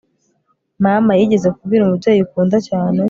mama, yigeze kubwira umubyeyi ukunda cyane